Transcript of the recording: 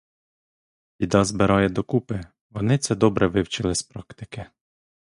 Біда збирає докупи, вони це добре вивчили з практики.